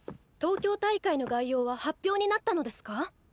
東京大会の概要は発表になったのですか？